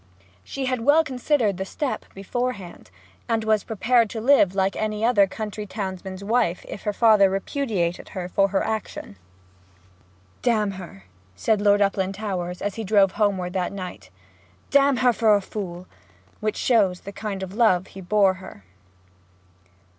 She had well considered the step beforehand, and was prepared to live like any other country townsman's wife if her father repudiated her for her action. 'D her!' said Lord Uplandtowers, as he drove homeward that night. 'D her for a fool!' which shows the kind of love he bore her.